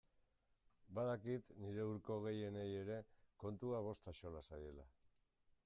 Badakit nire hurko gehienei ere kontua bost axola zaiela.